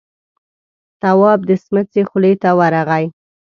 تواب د سمڅې خولې ته ورغی.